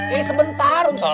eh sebentar um selesai